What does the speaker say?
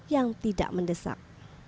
yang tidak mendesak